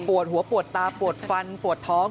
โผล่หัวโผล่ตาโผล่ฟันโผล่ท้อง